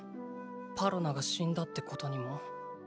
パロナが死んだってことにも？